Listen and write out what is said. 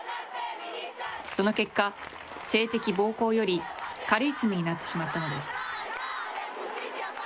その結果、性的暴行より軽い罪になってしまったのです。